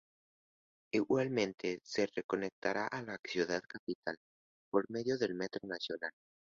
Igualmente se conectará a la ciudad capital por medio del metro nacional.